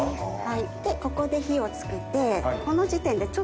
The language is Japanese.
でここで火を付けて。